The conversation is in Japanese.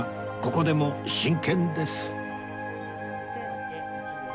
ここでも真剣です